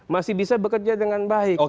masih bisa bekerja dengan baik